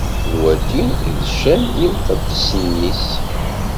D wagi i d ccan n yimqeddsen-is.